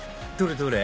どれ？